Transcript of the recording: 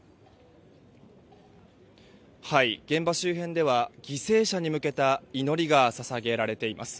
現場周辺では犠牲者に向けた祈りが捧げられています。